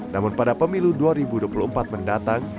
namun pada pemilu dua ribu dua puluh empat mendatang